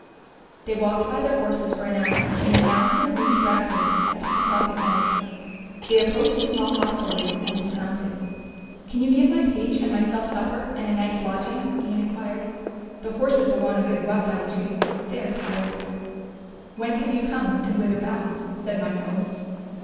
They walked by their horses for an hour and then mounted and reached Brampton at ten o'clock at night. They approached the small hostelry and dismounted. "Can you give my page and myself supper and a night's lodging?" Ian enquired. "The horses will want a good rub down, too; they are tired." "Whence have you come and whither bound?" said mine host.